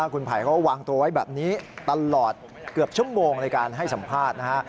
คุณไผ่เขาวางตัวไว้แบบนี้ตลอดเกือบชั่วโมงในการให้สัมภาษณ์นะฮะ